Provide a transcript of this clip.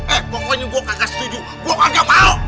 eh pokoknya gue kagak setuju